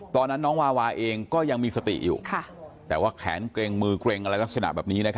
ตอนนั้นน้องวาวาเองก็ยังมีสติอยู่แต่ว่าแขนเกร็งมือเกร็งอะไรลักษณะแบบนี้